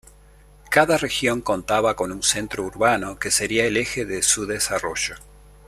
Cada región contaba con un centro urbano que sería el eje de su desarrollo.